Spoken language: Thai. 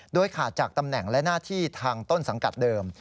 โดยขาดจากตำแหน่งและหน้าที่ทางต้นสังกัดเดิม